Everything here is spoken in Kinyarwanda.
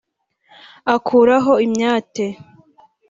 akuraho imyate